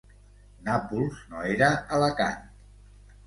Nàpols no era Alacant.